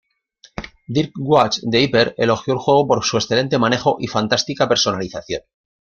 Dirk Watch de "Hyper" elogió el juego por su "excelente manejo y fantástica personalización".